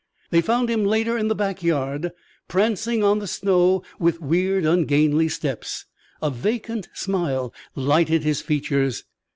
They found him later in the back yard, prancing on the snow with weird, ungainly steps. A vacant smile lighted his features.